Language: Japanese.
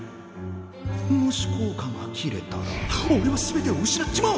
もし効果が切れたらおれは全てを失っちまう。